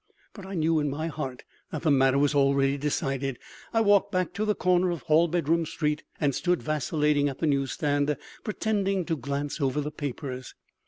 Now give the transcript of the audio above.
But I knew in my heart that the matter was already decided. I walked back to the corner of Hallbedroom street, and stood vacillating at the newsstand, pretending to glance over the papers.